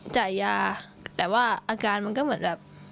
จ่ายยาแต่ว่าอาการมันก็เหมือนแบบ